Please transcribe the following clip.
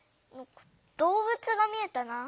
どうぶつが見えたな。